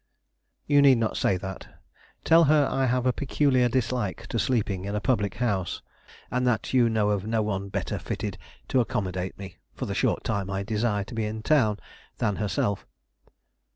"You need not say that. Tell her I have a peculiar dislike to sleeping in a public house, and that you know of no one better fitted to accommodate me, for the short time I desire to be in town, than herself."